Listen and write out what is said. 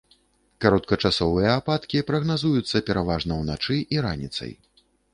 Кароткачасовыя ападкі прагназуюцца пераважна ўначы і раніцай.